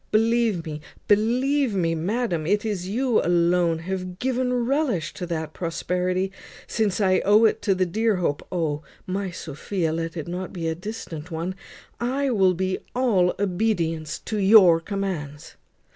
Believe me, believe me, madam, it is you alone have given a relish to that prosperity, since I owe to it the dear hope O! my Sophia, let it not be a distant one. I will be all obedience to your commands.